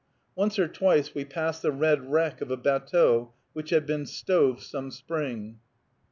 Once or twice we passed the red wreck of a batteau which had been stove some spring.